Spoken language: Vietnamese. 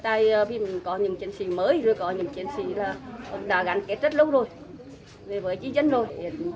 bây giờ bây giờ có những chiến sĩ mới rồi có những chiến sĩ đã gắn kết rất lâu rồi với dân rồi